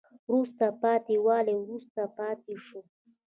وروسته پاتې والی وروسته پاتې شوه